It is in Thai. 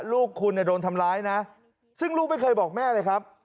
ลูกคุณเนี่ยโดนทำร้ายนะซึ่งลูกไม่เคยบอกแม่เลยครับ